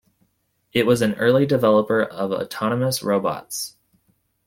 It was an early developer of autonomous robots.